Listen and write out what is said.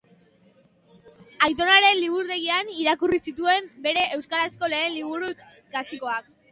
Aitonaren liburutegian irakurri zituen bere euskarazko lehen liburu klasikoak.